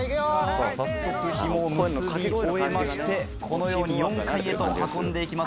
早速ひもを結び終えましてこのように４階へと運んで行きます。